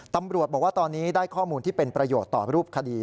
ตำรวจบอกว่าตอนนี้ได้ข้อมูลที่เป็นประโยชน์ต่อรูปคดี